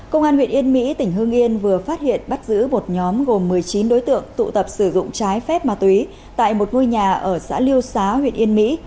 công an huyện yên mỹ tỉnh hương yên vừa phát hiện bắt giữ một nhóm gồm một mươi chín đối tượng tụ tập sử dụng trái phép ma túy tại một ngôi nhà ở xã liêu xá huyện yên mỹ